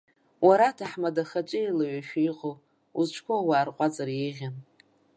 Уара аҭаҳмада хаҿеилаҩашәа иҟоу, узҿқәоу уаарҟәаҵыр еиӷьын!